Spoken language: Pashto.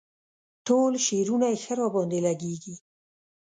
ټول شعرونه یې ښه راباندې لګيږي.